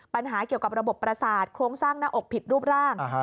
ปัญหาเกี่ยวกับระบบประสาทโครงสร้างหน้าอกผิดรูปร่าง